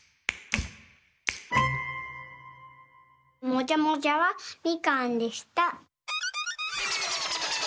もじゃもじゃはみかんでした。